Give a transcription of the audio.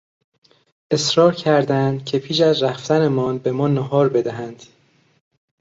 اصرار کردند که پیش از رفتنمان به ما ناهار بدهند.